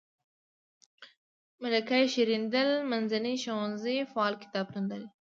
ملک شیریندل منځنی ښوونځی فعال کتابتون لري.